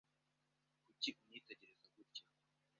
Kuki unyitegereza gutya?